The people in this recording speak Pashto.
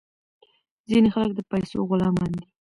ځینې خلک د پیسو غلامان دي.